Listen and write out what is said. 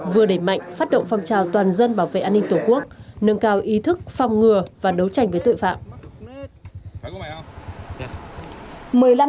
vừa đẩy mạnh phát động phong trào toàn dân bảo vệ an ninh tổ quốc nâng cao ý thức phòng ngừa và đấu tranh với tội phạm